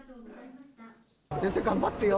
先生、頑張ってよ。